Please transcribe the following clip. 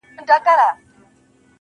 ستا د تورو سترگو اوښکي به پر پاسم.